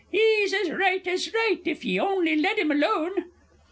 'E's as right as right, if you on'y let him alone!